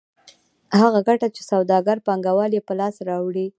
هغه ګټه چې سوداګر پانګوال یې په لاس راوړي